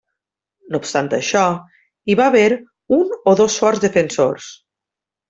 No obstant això, hi va haver un o dos forts defensors.